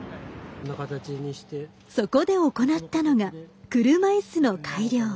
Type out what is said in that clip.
そこで行ったのが車いすの改良。